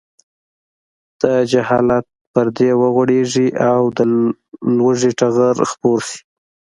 د جهالت پردې وغوړېږي او د لوږې ټغر خپور شي.